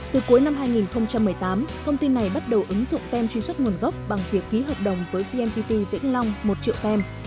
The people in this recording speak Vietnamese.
từ cuối năm hai nghìn một mươi tám công ty này bắt đầu ứng dụng tem truy xuất nguồn gốc bằng việc ký hợp đồng với vnpt vĩnh long một triệu tem